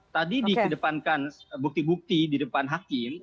tadi dikedepankan bukti bukti di depan hakim